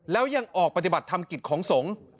แล้วยังออกปฏิบัติธรรมกิจของสงฆ์